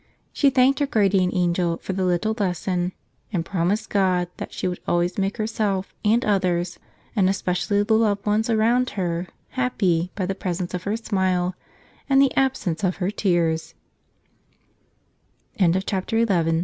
She thanked her guardian angel for the little lesson and promised God that she would always make herself and others, and especially the loved ones around her, happy by the presence of her smile and the